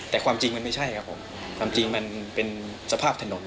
แต่ความจริงมันไม่ใช่ครับผมความจริงมันเป็นสภาพถนน